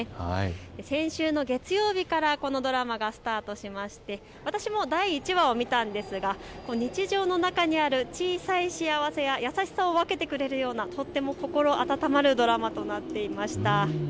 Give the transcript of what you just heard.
先週の月曜日からこのドラマがスタートしまして私も第１話を見たんですが日常の中にある小さい幸せや優しさを分けてくれるようなとっても心温まるドラマとなっていました。